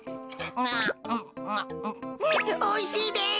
おいしいです。